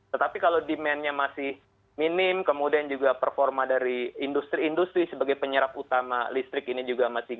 tetapi kalau demandnya masih minim kemudian juga performa dari industri industri sebagai penyerap utama listrik ini juga masih tinggi